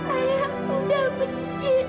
ayah udah benci sama lara